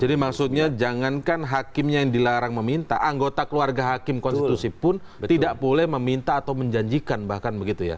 jadi maksudnya jangankan hakimnya yang dilarang meminta anggota keluarga hakim konstitusi pun tidak boleh meminta atau menjanjikan bahkan begitu ya